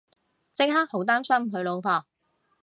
即刻好擔心佢老婆